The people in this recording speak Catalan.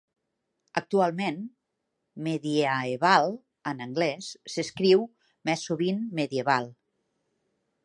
Actualment, mediaeval en anglès s'escriu més sovint medieval.